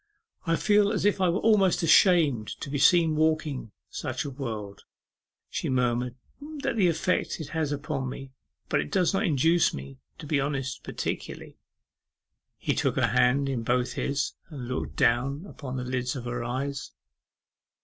'I feel as if I were almost ashamed to be seen walking such a world,' she murmured; 'that's the effect it has upon me; but it does not induce me to be honest particularly.' He took her hand in both his, and looked down upon the lids of her eyes.